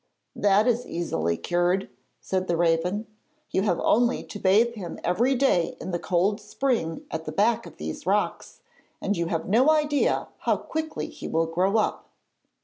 'That is easily cured,' said the Raven. 'You have only to bathe him every day in the cold spring at the back of these rocks, and you have no idea how quickly he will grow up.'